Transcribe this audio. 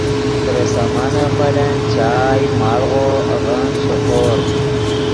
ترے سامانف ملن چائے، مڑغو اڤن شوکور